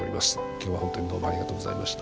今日はほんとにどうもありがとうございました。